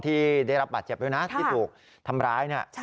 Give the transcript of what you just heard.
ที่ได้รับบัตรเจ็บแล้วนะที่ถูกทำร้าย